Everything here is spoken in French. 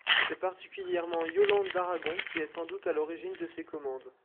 C'est particulièrement Yolande d'Aragon qui est sans doute à l'origine de ces commandes.